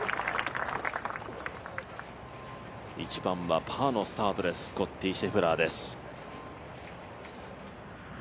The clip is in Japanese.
１番はパーのスタートです、スコッティ・シェフラーです。